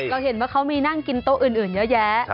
เราเห็นว่าเขามีนั่งกินโต๊ะอื่นเยอะแยะ